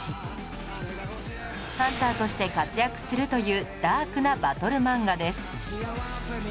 ハンターとして活躍するというダークなバトル漫画です